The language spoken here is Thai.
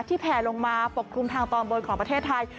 แผลลงมาปกคลุมทางตอนบนของประเทศไทย